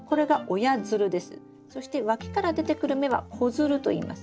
そしてわきから出てくる芽は子づるといいます。